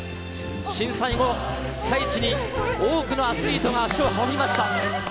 震災後、被災地に多くのアスリートが足を運びました。